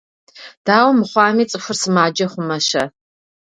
Дауэ мыхъуами цӀыхур сымаджэ хъумэ-щэ?